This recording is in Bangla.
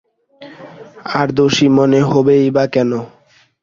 আর দোষী মনে হবেই বা কেনো?